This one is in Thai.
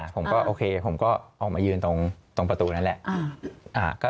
ผมก็โอเคผมก็ออกมายืนตรงประตูนั้นแหละ